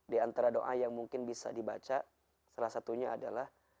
diantara doa yang mungkin bisa dibaca salah satunya adalah